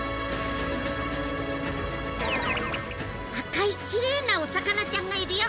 赤いきれいなお魚ちゃんがいるよ！